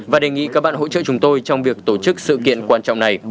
và đề nghị các bạn hỗ trợ chúng tôi trong việc tổ chức sự kiện quan trọng này